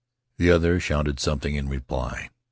The other shouted something in reply.